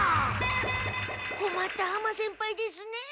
こまった浜先輩ですねえ。